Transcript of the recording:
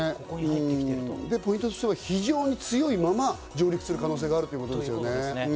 ポイントとしては、非常に強いまま上陸する可能性があるということですね。